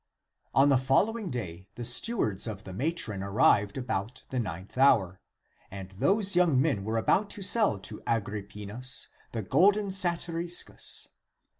On the following day the stewards of the matron ar rived about the ninth hour, and those young men were about to sell to Agrippinus the golden satyris cus.